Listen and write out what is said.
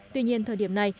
tuy nhiên thời điểm này